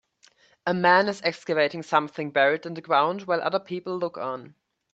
A man is excavating something buried in the ground while other people look on.